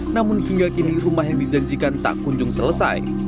namun hingga kini rumah yang dijanjikan tak kunjung selesai